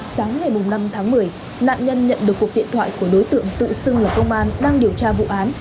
sáng ngày năm tháng một mươi nạn nhân nhận được cuộc điện thoại của đối tượng tự xưng là công an đang điều tra vụ án